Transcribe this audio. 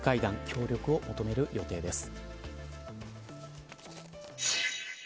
協力を求める予定です。